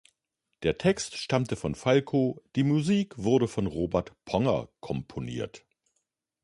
Der Text stammte von Falco, die Musik wurde von Robert Ponger komponiert.